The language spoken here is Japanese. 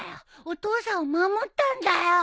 お父さんを守ったんだよ。